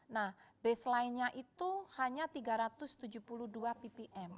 nah baseline nya itu hanya tiga ratus tujuh puluh dua ppm